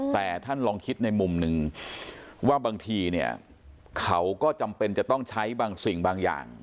แต่ท่านลองคิดในมุมหนึ่งว่าบางทีเนี่ยเขาก็จำเป็นจะต้องใช้บางสิ่งบางอย่าง